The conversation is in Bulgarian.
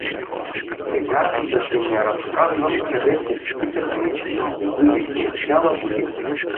Сега да ти не разказвам къде се скитахме и губихме цяла година.